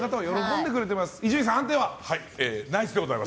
伊集院さん、判定は？